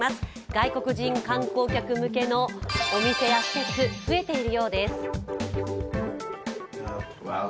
外国人観光客向けのお店や施設、増えているようです。